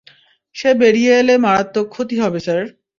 সে বেরিয়ে এলে মারাত্মক ক্ষতি হবে স্যার।